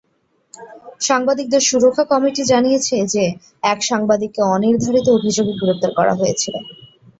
সাংবাদিকদের সুরক্ষা কমিটি জানিয়েছে যে এক সাংবাদিককে অনির্ধারিত অভিযোগে গ্রেপ্তার করা হয়েছিল।